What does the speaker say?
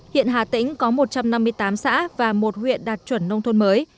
hiện hà tĩnh có một trăm năm mươi tám xã và một huyện đạt chuẩn nông thôn mới